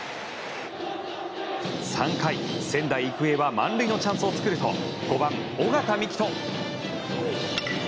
３回、仙台育英は満塁のチャンスを作ると５番、尾形樹人。